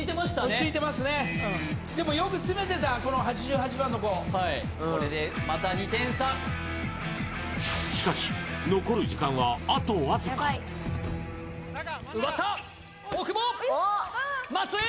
落ち着いてますねでもよく詰めてたこの８８番の子はいしかし残る時間はあとわずか奪った大久保松井！